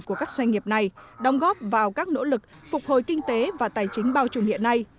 của các doanh nghiệp này đóng góp vào các nỗ lực phục hồi kinh tế và tài chính bao trùm hiện nay